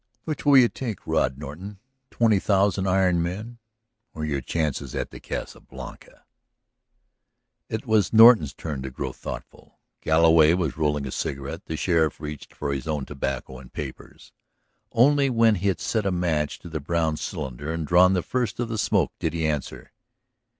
Which will you take, Rod Norton? Twenty thousand iron men or your chances at the Casa Blanca?" It was Norton's turn to grow thoughtful. Galloway was rolling a cigarette. The sheriff reached for his own tobacco and papers. Only when he had set a match to the brown cylinder and drawn the first of the smoke did he answer.